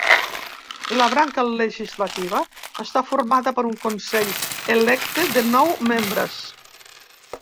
La branca legislativa està formada per un consell electe de nou membres.